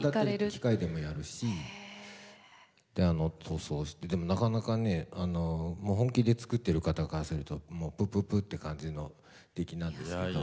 機械でもやるしであの塗装してなかなかねもう本気で作ってる方からするとプププって感じの出来なんですけど。